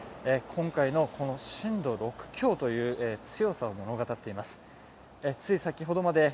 今回の震度６強という強さを物語っています。